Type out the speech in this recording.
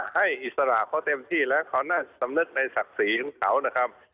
อิสระเขาเต็มที่และเขาน่าสำนึกในศักดิ์ศรีของเขานะครับ